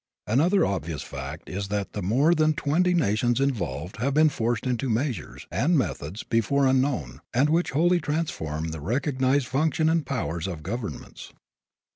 Another obvious fact is that the more than twenty nations involved have been forced into measures and methods before unknown and which wholly transform the recognized function and powers of governments.